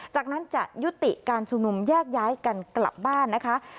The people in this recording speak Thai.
จากนั้นจะยุติการชุมนุมแยกย้ายกันกลับบ้านนะคะ